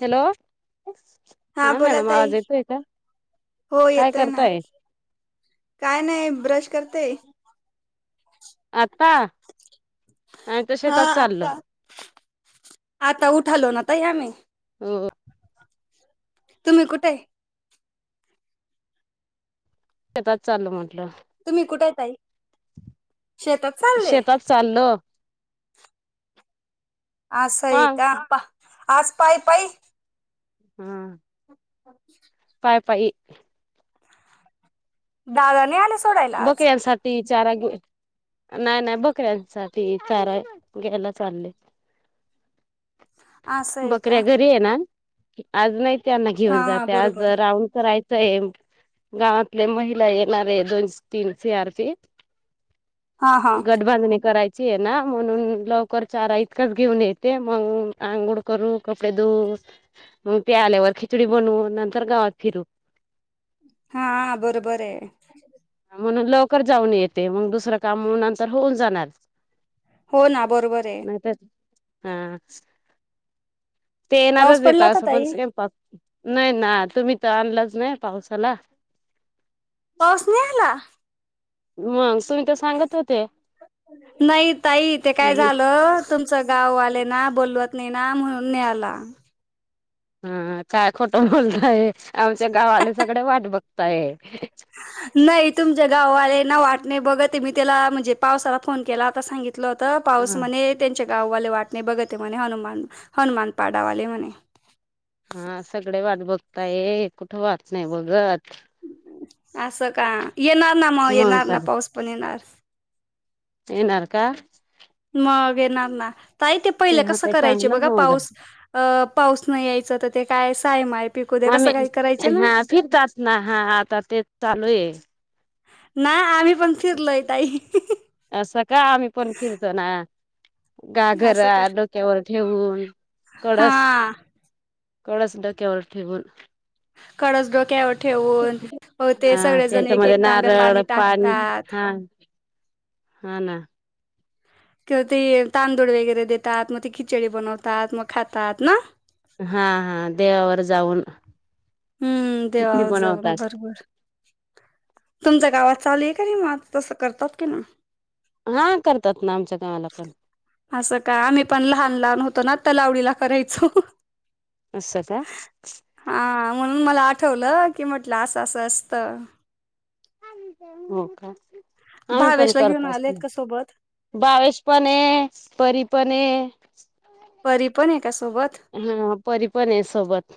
Hello, हा बोला madam ताई आवाज येतोय का? हो काय येतोय ना. करताय काय नाही ब्रश करतेय. आता, आता हा शेतात चाललो. आता आता उठालो ना ताई आम्ही. [unintelligible] तुम्ही कुठे आहे? ताात चालल म्हटलं.. तुम्ही कुठय ताई.? शेतात चालले शेतात चाललो. असंय मग का,, आज पायी पायी. हम्म. अ. पाय पाई. दादा नै आलेऽऽ बक्यांसाठीच.. चारा घे,, नाही, नाही बकऱ्यांचा साठी चारा घ्यायला चाललेऽऽ असं आहे बकऱ्या का घरी ये ना,, आज नाहीऽऽ त्यांना घेऊन हा जाते,, आज बरोबर राऊड करायचऽऽ गावातले महिला येणार आहे,, दोन तीन सी आर पीऽऽ हा हा गडबांधणी करायऽऽ आहे ना, म्हणून लवकर चारा इतकाच घेऊन येते, मग आंघोळ करू, कपडे धऊ, मग ते आल्यावर खिचडी बनवू,, नंतर गावात फिरू,, हा,, बरोबर आहे. म्हणून लवकर जाऊन येते मग दुसरं काम म्हण नंतर होऊन जाणार हो ना बरोबर आहे नाही तर हा ते पाऊस येणारच पडला देतात होता असं पण ताई स्वयंपाक नाही ना तुम्ही तर आणलाच नाही पावसाला तसणी हला मग तुम्ही तर सांगत हो नाही तई ते काय झालं तुमचं गाववाले ना बोलवत ना म्हणून नला हा काय खोटं बोलतय आमच्या गावाले सगळे वाट बघतय नाही तुमच्या गाववाले वाटणे बघ ते मी त्याला म्हणजे पावसाला फोन केला आता सांगितलं होत पाऊस हा म्ह त्यांच्या गाववाले वाट नाही बघत म्हणे हनुमान हनुमान पाडावाले म्हणे हा सगळे वाट बघताय कुठं वाच नाही बघत असं का येणार ना मग येणार ना पाऊस पण येणार ये नाार का मग येणार ते पहिलं हा कसं ते कराय चांगलं बघा होऊन जाईल. पाऊस पाऊस नाही यायचं तर ते काय अस आहे मा आ हा फिरतात ना हा आता तेच चालू आहे ना आम्ही पण फिरलो तई असं का आम्ही पण फर त ना गागरा असं का डोक्यावर ठेवून कळस हा कळचंडा केवला ठेबल कळस घ केव ठेवून हो ते हा सगळे जण एक त्याच्यामध्ये एक तांब्या नारळ पाणी टाकतात हा हा ना किंवा ते तांदूळ वगैरे देतात मग ते खिचडी बनवतात मग खातात ना हा हा देवावर जाऊन हम्म खिचडी देवावर जाऊन बनवतात भरोबर तुमच्या गावात चालेल री मात तसं करतात की ना हा करतात ना आमच्या गावाला पण असं काय आम्ही पण लहान लहान होतो ना त्या लावडीला करायचो अस का हां, म्हणून मला आठवलं की म्हटलं असं अस असत हो का आम्ही पण भावेशला घेऊन करतच आलेत का सोबत? बावेश पण ये परी पण ये परी पण हाय का सोबत हा परी पण आहे सोबत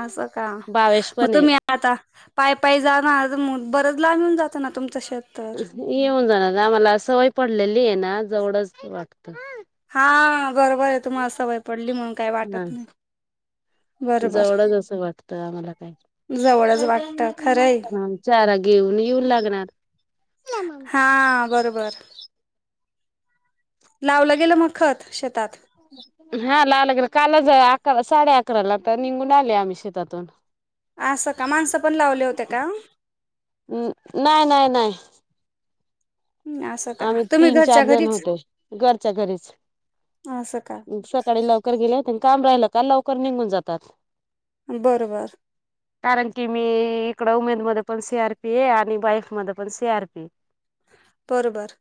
असं का बावेश मग पण आहे तुम्ही आता पाय पाय जाणार बरच लांबऊन जात ना तुम येऊन जाणार ना मला सवय पडलेली आहे ना जवडच वाट हा बरोबर आहे तुम्हाला सवय पडली म्हणून काही हा वाटत नाही बरोबर. जवळच असं वाटतं आम्हाला काही जवळच वाटत खरंय हा चारा घेऊन येऊन लागणार हा बरोबर लावलं गेलं मग खत शेतात हा लावल गेलं कालच अकरा साडे अकराला तर निघून आले आम्ही शेतातून असं का माणसं पण लावले होते का नाही नाही नाही हम्म, असं का आम्ही तुम्ही तीन घरच्या चार जण घरीच होते घरच्या घरीच असं का सकाळी लवकर गेले होते काम राहिलं का लवकर निघून जातात. बरोबर कारण की मी इकड उमेदमध्ये पण सी आर पी ये आणि बाईक मध्ये पण सी आर पी बरोबर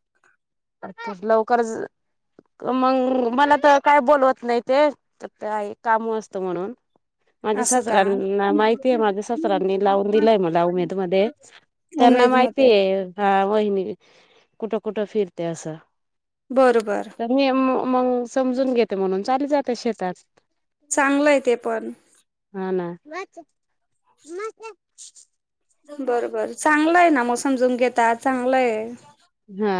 अ तर लवकरच मग मला तर काय बोलवत नाही ते तर ते काम असत म्हणून माझ्या असं का सांसऱ्याना माहितीय माझ्या सासरांनी लावून दिलंय मला उमेद मध्ये त्यांना उमेद माहिती मध्ये आहे हा वहिणी कुठं कुठं फिरते असं बरोबर तर मी मग समजून घेते म्हणून चाली जाते शेतात चांगलंय ते पण म म का [unintelligible] बर बर चांगलं आहे ना मग समजून घेतात चांगलंय हा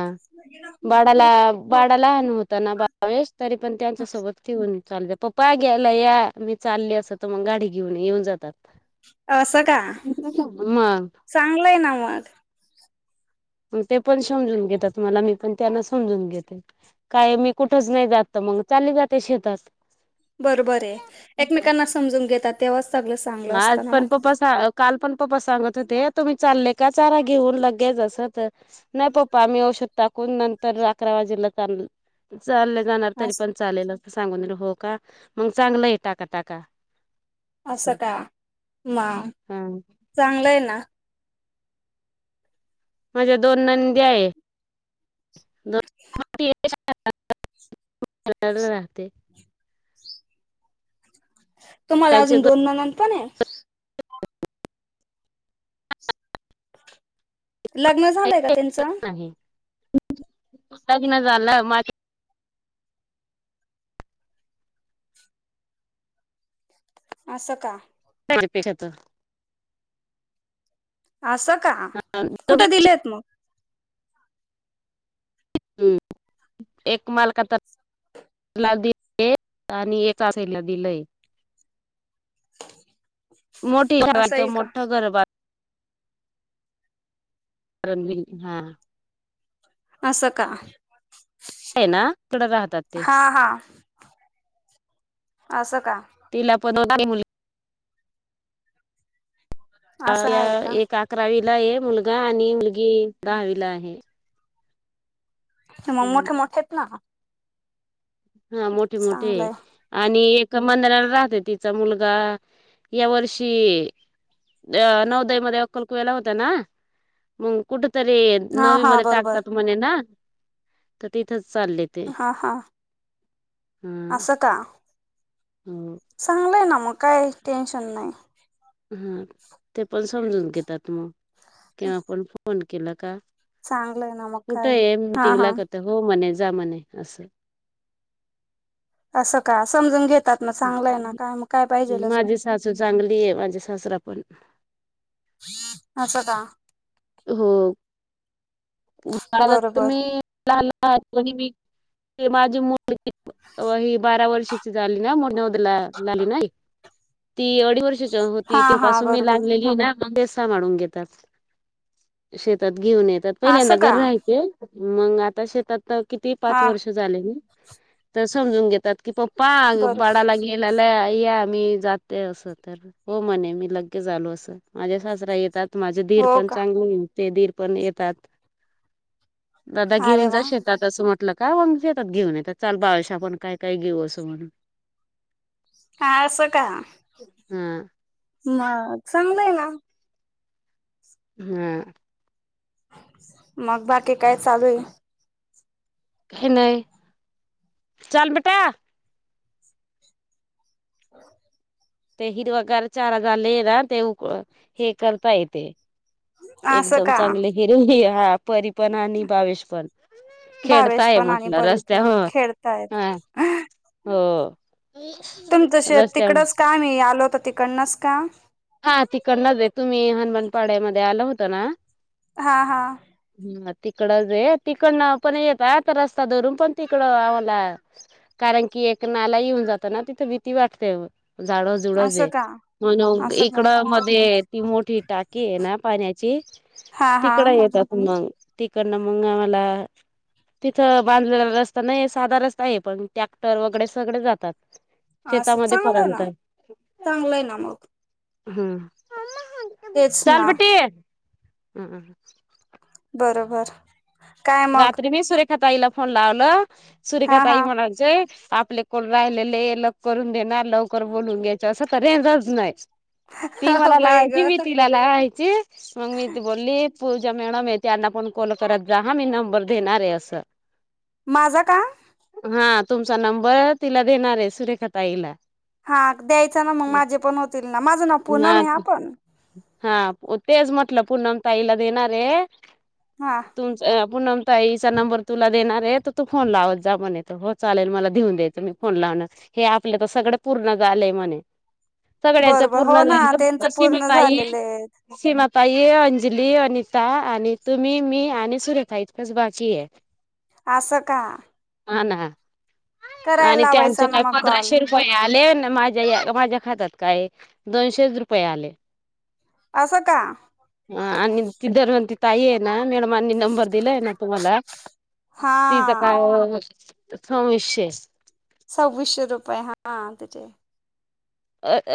बाडाला बाडा लहान होता ना बावेस तरी पण त्यांच्या सोबत ठेऊन चालू द पप्पा घ्यायला या मी चाली अस तर मग गाडी घेऊन येऊन जातात असं का मग चांगलंय ना मग मग ते पण समजून घेतात मला मी पण त्यांना समजून घेते काय मी कुठच नाही जात मग चालीत जाते शेतात बरोबर आहे एकमेकांना समजून घेतात तेव्हाच सगळं चांगलं आज असतं ना पण मग. पप्पा काल पण पप्पा सांगत तर ते तुम्ही चालले का चारा घेऊन लगेच असं तर नाही पप्पा आम्ही औषध टाकून नंतर अकरा वाजेलं चालत जाणार तरी अस पण चालेल अस सांगून र हो का मग चांगलं आहे टाका टाका असं का मा हा चांगलंय ना माझ्या दोन नंदी आहे राहते तुम्हाला त्यांचे अजून दोन नंनद पण आहे लग्न झालंय का त्याचं आहे लग्न झालं माझ असं का तेव्हड्या पैशात असं का कुठे तर दिले आहेत मग हम एक मालकतात ला दिले आणि एका साईडला दिलय ह [inaudible] मोठीवा मोठ गरबात कारण घ हा असं का आहे ना तडं राहतात ते अस असं का? तलाण दो असं आहे का? एक अकरावीला आहे मुलगा आणि मुलगी दहावीला आहे मंग हं, मोोठे मोठेत ना हा मोठे मोठे चांगलंय. आणि एक का मंदराला राहते तिचा मुलगा या वर्षी अ नवदयामध्येध्ये अक्कल कु वला होत ना मग कुठ त हा नवी हा मध्ये बरोबर. टाकत त म्हणे ना तर तिथ हा हा हा असं का हो चांगलंय ना मग काय टेन्शन नाही हा ते पण समजून घेतात मग किव्हा पण फोन केला का चांगलंय ना मग कुठं काय. आहे हा मीटिंग ला हा. करता हो म्हणे जा म्हणे असं असं का समजून घेत ात ना चांगलाय ना काय काय पाहिजे माझी सासू चांगली आहे माझे सासरा पण अचछा का होला बरोबर मीला मी माझी मु ही बारा वर्षीची झाली ना लाली नाही ती अडीच वर्षाची होती हा ते हा पासून मी बरोबर लागलेली ना ते सांभाळून घेतात शेतात घेऊन येतात पहिल्यांदा असं घर का राहाचे मग आता शेतात किती पाच हा वर्ष झाले ना तर समजून घेतात की प् पाग बर बडा ला गेलला मी जाते अस तर हो म्हणे मी लगे झालो असं माझ्या सासरा येतात माझे दीर हो पण का चांगले हो ते दीर पण येतात दादा अरे घेऊन जा वा श येतात असं म्ह म्हलं काजे येतात घेऊन येत चाल बावश आपण काय काय घेऊ असं म्हणून हा असो का हम ह हम् मग बाकी काय चालू आहे ह नाही चल बेटा ह ते हिरवा घार चारा झाले ना ते उक हे करता येते असं एकदम का चांगले हिरे ह हा परी पण आणि भावेश पण भावेश खेडताय पण आणि म्हटलं परी रस्त्या पण हो खेळतायत हा हो तुमचं शेत रस्त्यावर तिकडच का मी आलो तर तिकडनच का हा तिकडनाच येत तुम्ही हनुमानपाड्यामध्ये आल होता ना हा हा तिकडं रे तिकड पण येत आता रस्ता धरून पण तिकड आम्हाला कारण की एक नाला येऊन जात ना तिथं भीती वाटते झाडजुळज असं आहे का म्हण असं का इकड मध्ये ती मोठी टाकी आहे ना पाण्याची हा हा तिकडं येतात मग तिकडनं मग आम्हाला तिथं बांधलेला रस्ता नाही साधा रस्ता आहे पण टॅक्टर वगैरे सगळे जातात असं शेतामध्ये चांगलं पर्यंत ना चांगलंय ना मग हम्म तेच चल ना बेटी हम्म बरोबर काय मग रात्री मी सुरेखा ताईला फोन लावल हा सुरेखा हा ताई म्हणायचे आपले कोण राहिलेले लकरून देणार लवकर बोलून घ्यायच असं तर रेजच नाही ती हा मला बाई लावायती मी ग तिला लाहती. मग मी इती बोलली पूजा मेळ मीती अना पण कॉल कररात जा हा मी नंबर देणार आहे अस माझा का हा तुमचा नंबर तिला देणार आहे सुरेखा ताईला हा द्यायचं ना मग माझे पण होतील ना माझं नाव पनम ह आपण हो तेच म्हटलं पणम ताईला देणार आहे. हा, ईचा नंबर तुला देणार आहे तर तू फोन लाव जा म्ह तर चालेल मलाेऊन दयच मी फोन हे आपलं तर सगळ पूर्ण झालंय म्हणे सगळ्यांच बर बर हो पूर्ण ना त्यांचं झाले सीमा पूर्ण पा झालेलं आहे सीमा तय अंजली अनिता आणि तुम्ही मी आणि सुरेखा इतकच बाकी आहे आसा का हा ना करायला आणि त्यांच लावायचा ना काय मग कॉल पंधराशे रुपये आले माझ्या माझ्या खात्याात काय दोनशे रुपये आले. असं का ह [inaudible] आणि तधारवंत ताई ना मॅडम अ दिलय ना तुम्हाला हा तिच का सविशे सव्वीसशे रुपये हा तचे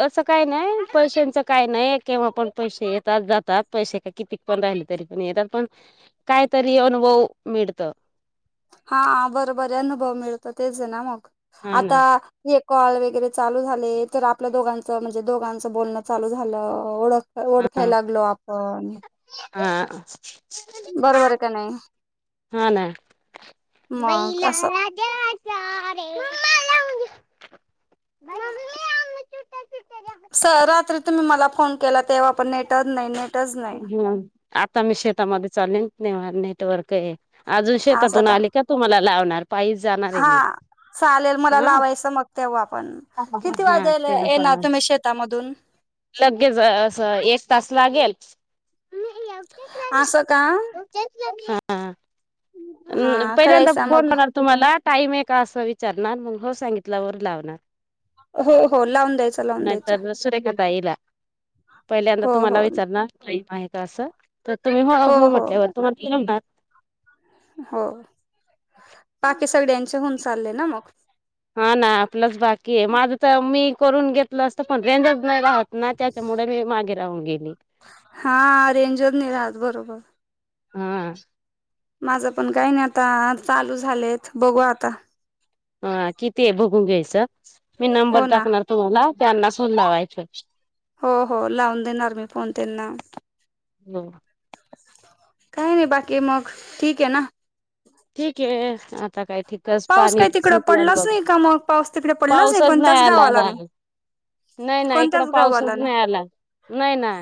असं काय नाही पैशांचं काय नाही केव्हा पण पैसे येतात जातात पैसे का किती पण राहिले तरी पण येतात पण कायतरी अनुभव मिळत हा बरबर अनुभव मिळतो तेच आहे ना मग हा आता ना कॉल वगैरे चालू झाले तर आपल्या दोघांचं म्हणजे दोघांचं बोलणं चालू झालं ओळख ओळखायला लागलो आपण हा, [inaudible] बरोबर आहे का नाही हा ना मग असं [unintelligible] [unintelligible] सर रात्री तुम्ही मला फोन केला तेव्हा पण नेटच नाही नेट ह आता मी शेतामध्ये चालेल नेटवर्क आहे अजून शेतातून आली का तुम्हाला लावणार पायीच जाणार आहे हा मी चालेल मला हा लावायचं मग तेव्हा आपण किती हा वाजेल तेव्हा येणा पण तुम्ही शेता मधून लगेच अस एक तास लागेल [inaudible] असं का हा पहिल्यांदा करायचा मग बोलणार [unintelligible] तुम्हाला टाईम आहे का असं विचारणार मग हो सांगितल्यावर वर लावणार हो हो लावून द्यायचं [inaudible] लावून द्यायचं नाहीतर सुरेखा ताईला पहिल्यांदा हो तुम्हाला हो विचारणार काम [unintelligible] आहे का असं तर तुम्ही हो हो म्हटल्यावर तुम्हालाणार, [unintelligible] हो पाकी सगळ्यांचे हून चालले ना मग हा ना आपलंच बाकी आहे माझं तर मी करून घेतलं असतं पण रेंज नाही राहत ना त्याच्यामुड मी मागे राहून गेली [inaudible] हा रेंजच नाही राहत बरोबर हा, माझं पण काही नाही आता चालू झालेत बघू आता हा किती आहे भघून घ्यायचं मी नंबर हो ना टाकणार तुम्हाला, [unintelligible] त्यांना सून लावायचे हो-हो लावून देणार मी फोन त्यांना हो काही नाही बाकी मग ठीक आहे ना ठीक आहे आता काय? ठीकच पाऊस काही तिकडं पाणीचीव [unintelligible] ब पडलाच नाही का मग पाऊस तिकडे पडलाच पाऊसच नाही कोणत्याच आला गावाला नाही बाई नाही नाही इकड कोणत्याच गावाला पाऊसच नाही आला नाही ना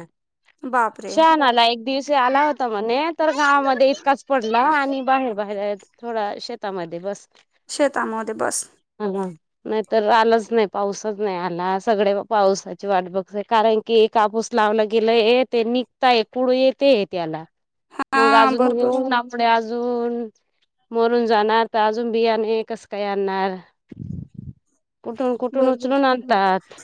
बापरे छान आला एक दिवस आला, णे [unintelligible] तर गावामध्ये इतकाच पडला आणि बाहेर बाहेर थोडा शेतामध्ये बस शेतामध्ये बस आला नाही तर आलाच नाही पाऊसच नाही आला सगळे पावसाची वाट बघ कारण की [unintelligible] कापूस ला लावलं गेलं येते निघताय कुड येते त्याला हा मग अजून बरोबर घेऊन आपडे अजून मरून जाणार तर अजून बियाणे कस काय आणणार कुठून कुठून बरोबर उचलून आणतात